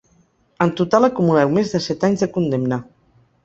En total acumuleu més de set anys de condemna.